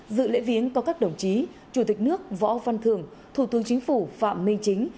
dự lễ viếng có các đồng chí chủ tịch nước võ văn thường thủ tướng chính phủ phạm minh chính